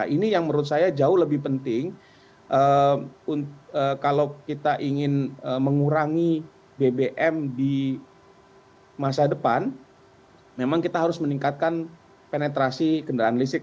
ini yang menurut saya jauh lebih penting kalau kita ingin mengurangi bbm di masa depan memang kita harus meningkatkan penetrasi kendaraan listrik